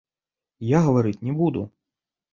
Я гаварыць не буду.